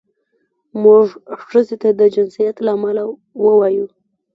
موږ ښځې ته د جنسیت له امله ووایو.